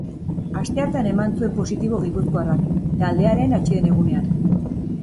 Asteartean eman zuen positibo gipuzkoarrak, taldearen atseden egunean.